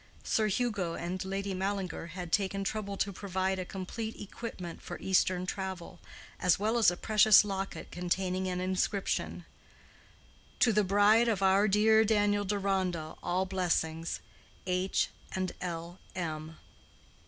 Sir Hugo and Lady Mallinger had taken trouble to provide a complete equipment for Eastern travel, as well as a precious locket containing an inscription—"_To the bride of our dear Daniel Deronda all blessings. H. and L. M.